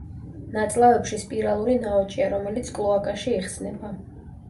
ნაწლავებში სპირალური ნაოჭია, რომელიც კლოაკაში იხსნება.